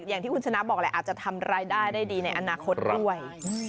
อย่างที่คุณชนะบอกแหละอาจจะทำรายได้ได้ดีในอนาคตด้วย